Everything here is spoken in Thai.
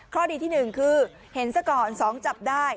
ข้อดีที่๑คือเห็นซะก่อน๒จับได้